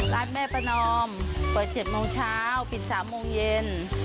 ร้านแม่ประนอมเปิด๗โมงเช้าปิด๓โมงเย็น